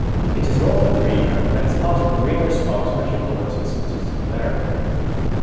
It is north of Reno and is part of the Reno-Sparks Metropolitan Statistical Area.